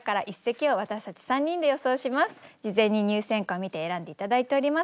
事前に入選歌を見て選んで頂いております。